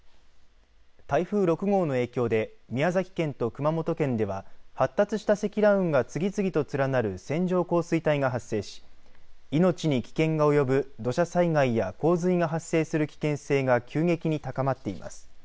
台風６号の影響で宮崎県と熊本県では発達した積乱雲が次々と連なる線状降水帯が発生し命に危険が及ぶ土砂災害や洪水が発生する危険性が急激に高まっています。